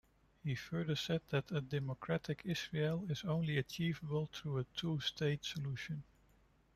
He further said that "a democratic Israel is only achievable through a two-state-solution".